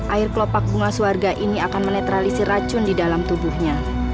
air kelopak bunga suharga ini akan menetralisi racun di dalam tubuhnya